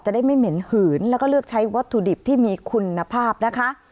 ได้ไม่เหม็นหืนแล้วก็เลือกใช้วัตถุดิบที่มีคุณภาพนะคะ